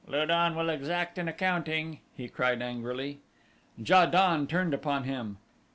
"Lu don will exact an accounting," he cried angrily. Ja don turned upon him.